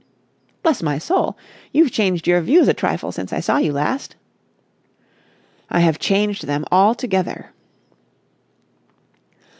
"Bless my soul! You've changed your views a trifle since I saw you last." "I have changed them altogether."